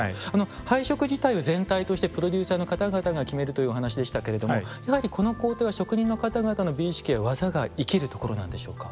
配色自体は全体としてプロデューサーの方々が決めるというお話でしたけれどもやはりこの工程は職人の方々の美意識や技が生きるところなんでしょうか。